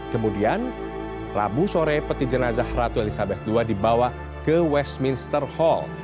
kemudian rabu sore peti jenazah ratu elizabeth ii dibawa ke westminster hall